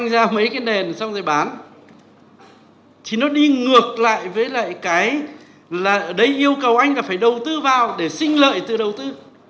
thì nó đi ngược lại với lại cái là đấy yêu cầu anh là phải đầu tư vào để xinh lợi từ đầu tư